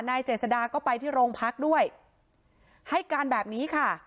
เจษดาก็ไปที่โรงพักด้วยให้การแบบนี้ค่ะ